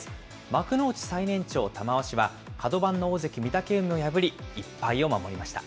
幕内最年長、玉鷲は、角番の大関・御嶽海を破り、１敗を守りました。